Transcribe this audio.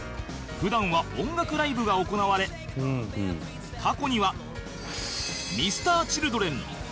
普段は音楽ライブが行われ過去にはＭｒ．Ｃｈｉｌｄｒｅｎスピッツ